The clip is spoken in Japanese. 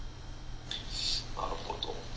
「なるほど。